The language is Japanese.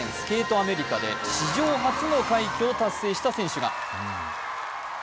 アメリカで史上初の快挙を達成した選手が。